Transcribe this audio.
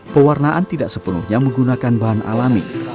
pewarnaan tidak sepenuhnya menggunakan bahan alami